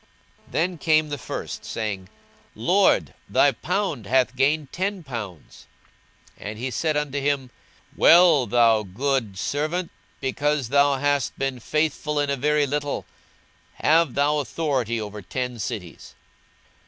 42:019:016 Then came the first, saying, Lord, thy pound hath gained ten pounds. 42:019:017 And he said unto him, Well, thou good servant: because thou hast been faithful in a very little, have thou authority over ten cities.